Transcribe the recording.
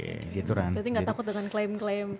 jadi tidak takut dengan klaim klaim